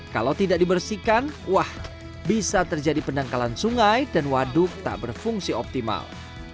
kalau tidak dibersihkan wah bisa terjadi pendangkalan sungai dan waduk tak berfungsi optimal